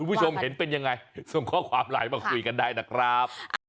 คุณผู้ชมเห็นเป็นยังไงส่งข้อความไลน์มาคุยกันได้นะครับ